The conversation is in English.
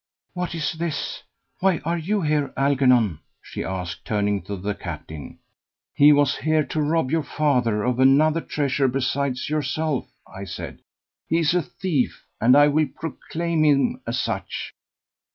"What is this? Why are you here, Algernon?" she asked, turning to the captain. "He was here to rob your father of another treasure besides yourself," I said. "He is a thief, and I will proclaim him as such."